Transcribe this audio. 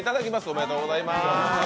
おめでとうございます。